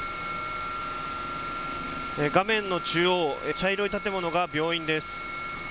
画面の中央、茶色い建物が病院です。